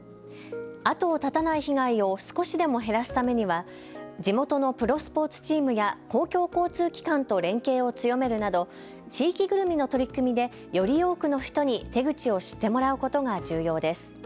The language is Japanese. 後を絶たない被害を少しでも減らすためには地元のプロスポーツチームや公共交通機関と連携を強めるなど地域ぐるみの取り組みでより多くの人に手口を知ってもらうことが重要です。